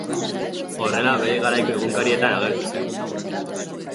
Horrela, bere garaiko egunkarietan agertu zen.